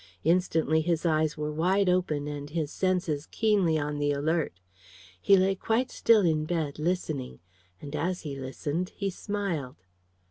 Instantly his eyes were wide open and his senses keenly on the alert. He lay quite still in bed, listening. And as he listened he smiled.